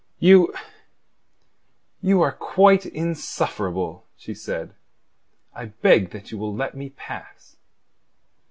"You... you are quite insufferable," she said. "I beg that you will let me pass."